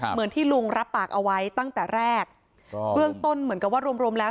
เหมือนที่ลุงรับปากเอาไว้ตั้งแต่แรกเบื้องต้นเหมือนกับว่ารวมรวมแล้ว